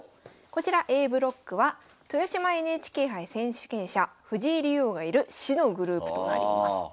こちらＡブロックは豊島ＮＨＫ杯選手権者藤井竜王がいる死のグループとなります。